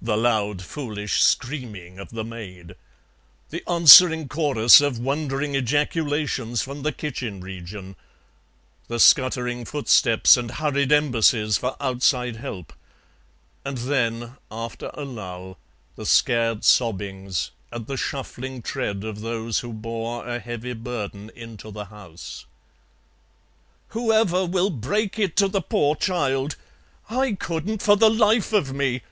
The loud foolish screaming of the maid, the answering chorus of wondering ejaculations from the kitchen region, the scuttering footsteps and hurried embassies for outside help, and then, after a lull, the scared sobbings and the shuffling tread of those who bore a heavy burden into the house. "Whoever will break it to the poor child? I couldn't for the life of me!"